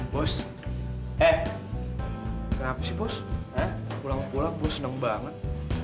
bos eh kenapa sih bos pulang bos seneng banget